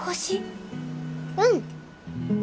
うん！